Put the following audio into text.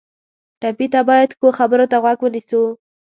ټپي ته باید ښو خبرو ته غوږ ونیسو.